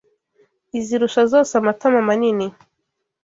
Izirusha zose amatama manini